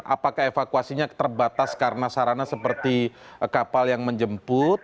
apakah evakuasinya terbatas karena sarana seperti kapal yang menjemput